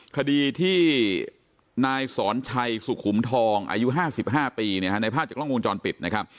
คดีที่นายสอนชัยสุขุมทองอายุ๕๕ปีในภาพจากกล้องวงจรปิดนะครับ